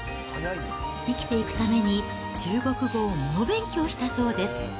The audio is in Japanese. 生きていくために中国語を猛勉強したそうです。